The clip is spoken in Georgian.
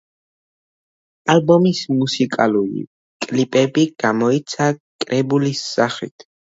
ალბომის მუსიკალური კლიპები გამოიცა კრებულის სახით.